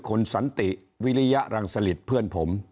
คุณสันติวิริยรังสลิตเพื่อนผม